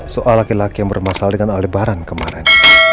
soal laki laki yang bermasalah dengan lebaran kemarin